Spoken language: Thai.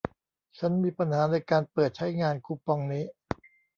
ฉันมีปัญหาในการเปิดใช้งานคูปองนี้